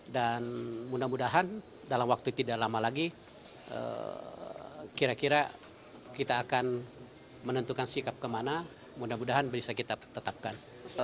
dan mudah mudahan dalam waktu tidak lama lagi kira kira kita akan menentukan sikap kemana mudah mudahan bisa kita tetapkan